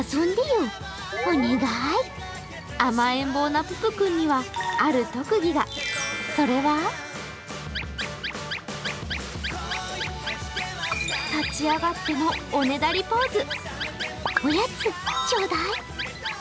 甘えん坊なププ君にはある特技が、それは立ち上がってのおねだりポーズ。